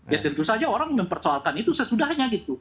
ya tentu saja orang mempercohalkan itu sesudahnya gitu